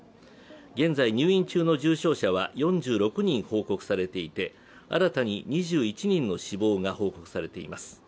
現在入院中の重症者は４６人報告されていて、新たに２１人の死亡が報告されています。